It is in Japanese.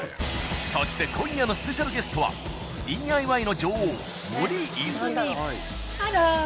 そして今夜のスペシャルゲストはＤＩＹの女王森泉。